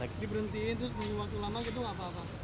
jadi diberhentiin terus mengeluarkan